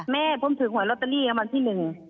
แม่ผมถูกหวยรอเตอรี่วันที่๑